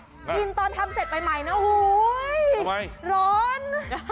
กินตอนทำเสร็จใหม่นะร้อน